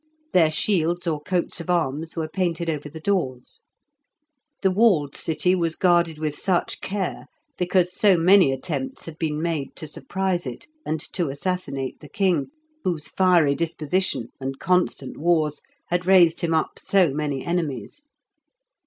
Their shields, or coats of arms, were painted over the doors. The walled city was guarded with such care, because so many attempts had been made to surprise it, and to assassinate the king, whose fiery disposition and constant wars had raised him up so many enemies.